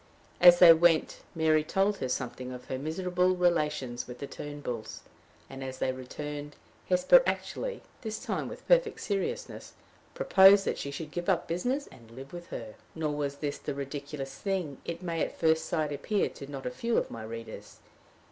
As they went, Mary told her something of her miserable relations with the Turnbulls; and, as they returned, Hesper actually this time with perfect seriousness proposed that she should give up business, and live with her. Nor was this the ridiculous thing it may at first sight appear to not a few of my readers.